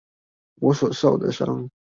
我所受的傷